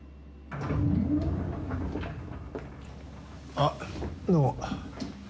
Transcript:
あっどうも。